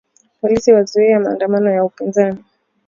Polisi wazuia maandamano ya upinzani